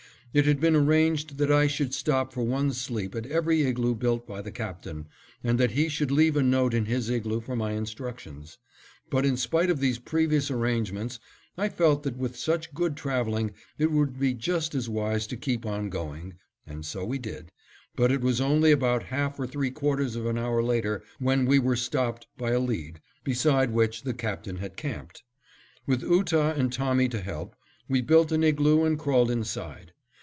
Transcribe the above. It had been arranged that I should stop for one sleep at every igloo built by the Captain, and that he should leave a note in his igloo for my instructions; but, in spite of these previous arrangements, I felt that with such good traveling it would be just as wise to keep on going, and so we did, but it was only about half or three quarters of an hour later when we were stopped by a lead, beside which the Captain had camped. With Ootah and Tommy to help, we built an igloo and crawled inside.